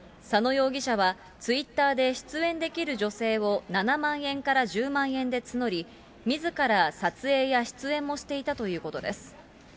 佐野容疑者は、ツイッターで出演できる女性を７万円から１０万円で募り、みずから撮影や出演もしていたということです。